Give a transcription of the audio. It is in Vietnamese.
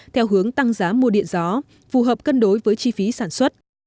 theo hướng tăng giá mua điện gió phù hợp cân đối với chi phí sản xuất